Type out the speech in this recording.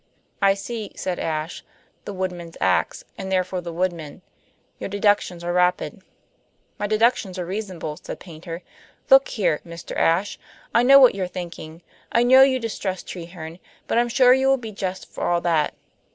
"I see," said Ashe, "the woodman's ax, and therefore the Woodman. Your deductions are rapid." "My deductions are reasonable," said Paynter, "Look here, Mr. Ashe; I know what you're thinking. I know you distrust Treherne; but I'm sure you will be just for all that.